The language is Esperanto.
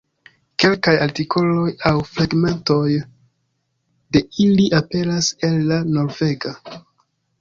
Kelkaj artikoloj aŭ fragmentoj de ili aperas en la Norvega.